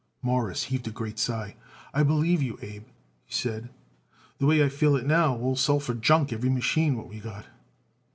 Morris heaved a great sigh. "I believe you, Abe," he said. "The way I feel it now we will sell for junk every machine what we got."